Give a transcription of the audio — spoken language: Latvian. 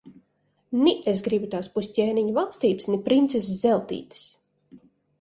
Ni es gribu tās pusķēniņa valstības, ni princeses Zeltītes.